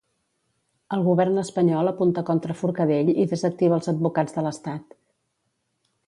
El govern espanyol apunta contra Forcadell i desactiva els advocats de l'estat.